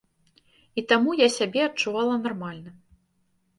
І таму я сябе адчувала нармальна.